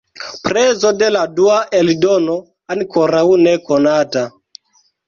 Prezo de la dua eldono ankoraŭ ne konata.